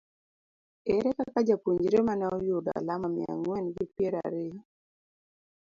Ere kaka japuonjre ma ne oyudo alama miya ang'wen gi piero ariyo